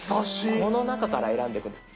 この中から選んでいくんです。